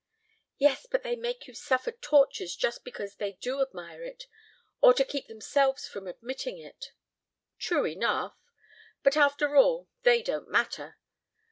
"Yes, but they make you suffer tortures just because they do admire it or to keep themselves from admitting it." "True enough. But after all, they don't matter.